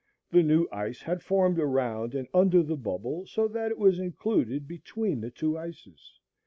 The new ice had formed around and under the bubble, so that it was included between the two ices.